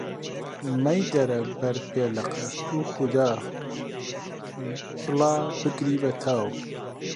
مەیدەرە بەر پێلەقە، توخودا، بڵا بگری بە تاو!